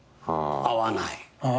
会わない。